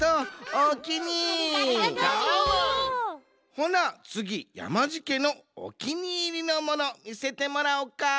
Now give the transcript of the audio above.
ほなつぎやまじけのおきにいりのものみせてもらおか？